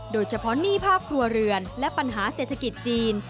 โดยเฉพาะหนี้ภาพครัวเรือนและปัญหาเศรษฐกิจจีน